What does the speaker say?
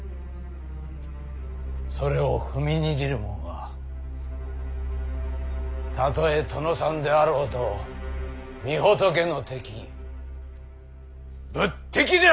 それを踏みにじるもんはたとえ殿さんであろうと御仏の敵仏敵じゃ！